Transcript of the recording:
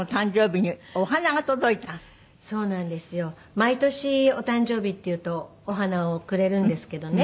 毎年お誕生日っていうとお花をくれるんですけどね。